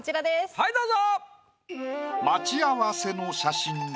はいどうぞ！